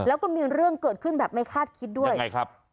แล้วก็มีเรื่องเกิดขึ้นแบบไม่คาดคิดด้วยไงครับ